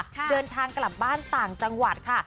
เดินทางกลับบ้านต่างจังหวัดค่ะ